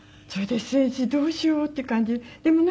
それで先生どうしようって感じで。